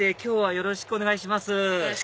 よろしくお願いします。